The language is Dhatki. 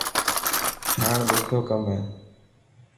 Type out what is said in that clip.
ٺاهڻ ڏکيو ڪم هي.